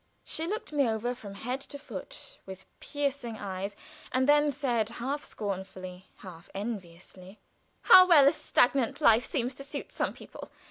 She looked me over from head to foot with piercing eyes, and then said half scornfully, half enviously: "How well a stagnant life seems to suit some people!